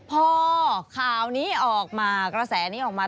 พอข่าวนี้ออกมากระแสนี้ออกมา